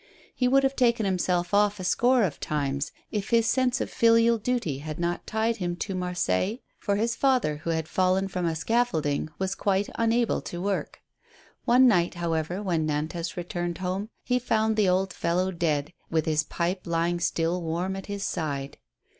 He would have taken himself off a score of times, if his sense of filial duty had not tied him to Marseilles, for his father, who had fallen from a scaffolding, was quite unable to work. One night, however, when Nantas returned home, he found the old fellow dead, with his pipe lying still warm at his side.